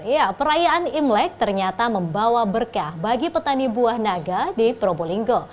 ya perayaan imlek ternyata membawa berkah bagi petani buah naga di probolinggo